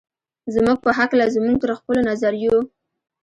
زموږ په هکله زموږ تر خپلو نظریو.